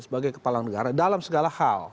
sebagai kepala negara dalam segala hal